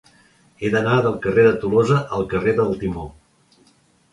He d'anar del carrer de Tolosa al carrer del Timó.